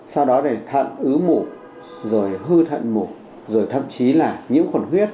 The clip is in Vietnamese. sau đó là thận ứ mủ rồi hư thận mủ rồi thậm chí là nhiễm khuẩn huyết